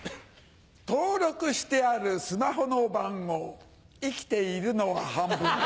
登録してあるスマホの番号生きているのは半分だ。